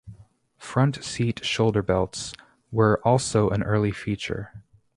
Front seat shoulder belts were also an early feature.